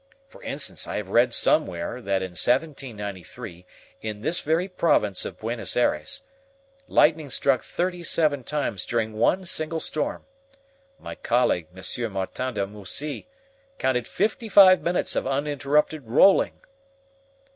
For instance, I have read somewhere, that in 1793, in this very province of Buenos Ayres, lightning struck thirty seven times during one single storm. My colleague, M. Martin de Moussy, counted fifty five minutes of uninterrupted rolling."